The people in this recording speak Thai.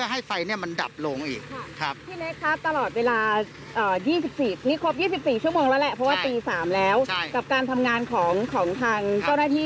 อยากให้ประเมินนิดนึงค่ะว่า๒๔ชั่วโมงการทำงานตลอดเวลาของทางตรงแม่นี่